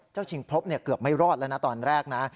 ชิงพรบเกือบไม่รอดแล้วนะตอนแรกนะ